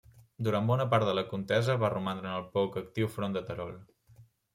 Durant bona part de la contesa va romandre en el poc actiu front de Terol.